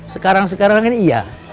sekarang sekarang ini iya